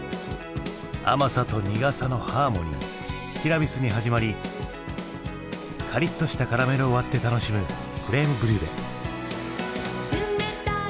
甘さと苦さのハーモニーティラミスに始まりカリッとしたカラメルを割って楽しむクレームブリュレ。